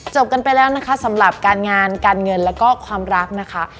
กันไปแล้วนะคะสำหรับการงานการเงินแล้วก็ความรักนะคะ